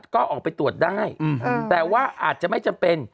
ก็ออกไปตรวจได้แต่ว่าอาจจะไม่จำเป็น